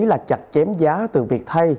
là chặt chém giá từ việc thay